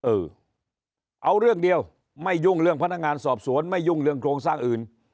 เออเอาเรื่องเดียวไม่ยุ่งเรื่องพนักงานสอบสวนไม่ยุ่งเรื่องโครงสร้างอื่น